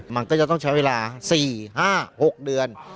มันก็จะต้องใช้เวลา๔๕๖เดือน